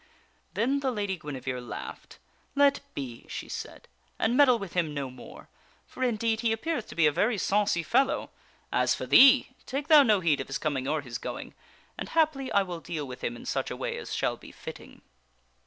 Then the Lady Guinevere laughed. " Let be !" she said, "and meddle with him no more ; for, indeed, he appeareth to be a very saucy fellow. As for thee ! take thou no heed of his coming or his going, and haply I will deal with him in such a way as shall be fitting."